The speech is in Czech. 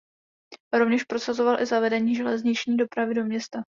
Rovněž prosazoval i zavedení železniční dopravy do města.